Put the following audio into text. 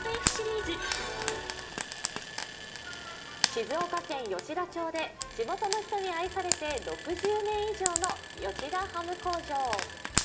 静岡県吉田町で地元の人に愛されて６０年以上の吉田ハム工場。